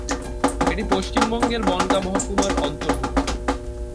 এটি পশ্চিমবঙ্গের বনগাঁ মহকুমার অন্তর্ভুক্ত।